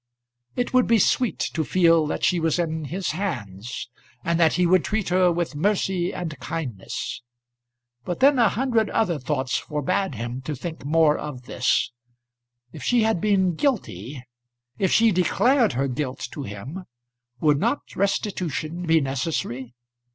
It would be sweet to feel that she was in his hands, and that he would treat her with mercy and kindness. But then a hundred other thoughts forbade him to think more of this. If she had been, guilty, if she declared her guilt to him, would not restitution be necessary?